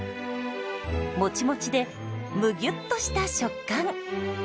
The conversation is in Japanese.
もちもちでむぎゅっとした食感。